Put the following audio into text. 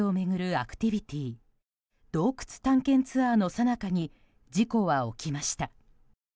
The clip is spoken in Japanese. アクティビティー洞窟探検ツアーのさなかに事故は起きました。